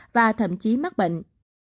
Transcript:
và thậm chí mắc bệnh